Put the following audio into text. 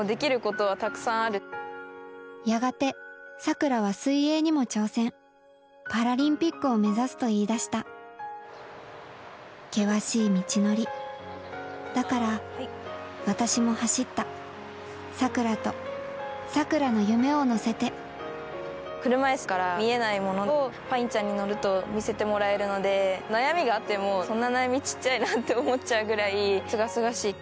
やがてさくらは水泳にも挑戦パラリンピックを目指すと言い出した険しい道のりだから私も走ったさくらとさくらの夢を乗せて車椅子から見えないものをパインちゃんに乗ると見せてもらえるので悩みがあってもそんな悩み小っちゃいなって思っちゃうぐらいすがすがしい。